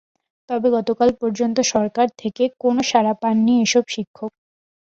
তবে গতকাল পর্যন্ত সরকার থেকে কোনো সাড়া পাননি এসব শিক্ষক।